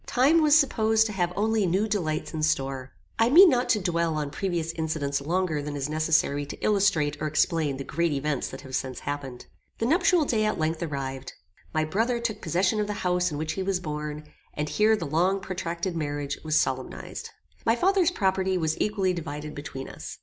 Time was supposed to have only new delights in store. I mean not to dwell on previous incidents longer than is necessary to illustrate or explain the great events that have since happened. The nuptial day at length arrived. My brother took possession of the house in which he was born, and here the long protracted marriage was solemnized. My father's property was equally divided between us.